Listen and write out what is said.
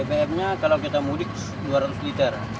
bbmnya kalau kita mudik dua ratus liter